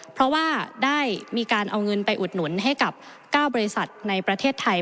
เพราะว่าได้มีการเอาเงินไปอุดหนุนให้กับ๙บริษัทในประเทศไทย